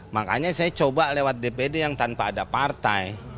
makanya saya coba lewat dpd yang tanpa ada partai